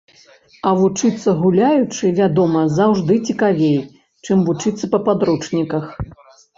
А вучыцца гуляючы, вядома, заўжды цікавей, чым вучыцца па падручніках.